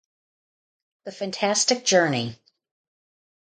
The Fantastic Journey.